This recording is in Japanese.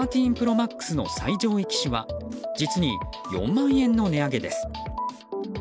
ＰｒｏＭａｘの最上位機種は実に４万円の値上げです。